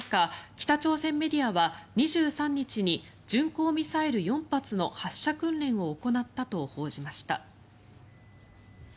北朝鮮メディアは２３日に巡航ミサイル４発の発射訓練を行ったと報じました。